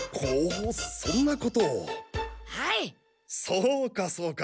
そうかそうか。